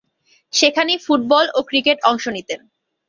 সেখানেই ফুটবল ও ক্রিকেটে অংশ নিতেন।